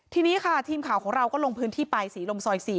ทีนี้ค่ะทีมข่าวของเราก็ลงพื้นที่ไปศรีลมซอย๔